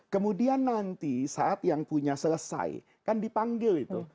kemudian nanti saat yang punya selesai kan dipanggil itu